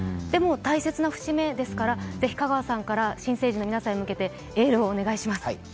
でも、大切な節目ですから、ぜひ、香川さんから新成人の皆さんに向けてエールをお願いします。